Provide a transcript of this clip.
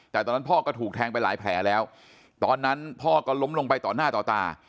แต่ตอนนั้นพ่อก็ถูกแทงไปหลายแผลแล้วตอนนั้นพ่อก็ล้มลงไปต่อหน้าต่อตา